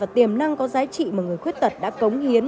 điểm năng có giá trị mà người quyết tật đã cống hiến